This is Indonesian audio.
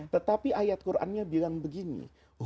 tetapi ayat qurannya bilang begini